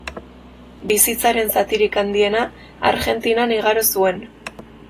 Bizitzaren zatirik handiena Argentinan igaro zuen.